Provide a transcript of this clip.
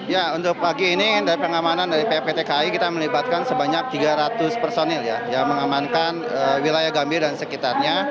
ya untuk pagi ini dari pengamanan dari pptki kita melibatkan sebanyak tiga ratus personil yang mengamankan wilayah gambir dan sekitarnya